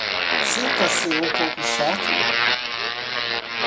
Sinta-se um pouco chato